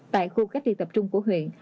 tại khu cách ly tập trung của huyện